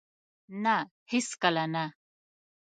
نه! هیڅکله نه